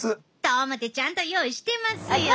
と思てちゃんと用意してますよ。